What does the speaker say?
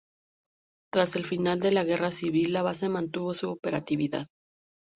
Tras el final de la Guerra Civil, la base mantuvo su operatividad.